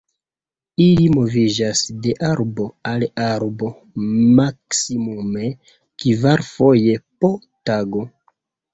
Ili moviĝas de arbo al arbo maksimume kvarfoje po tago.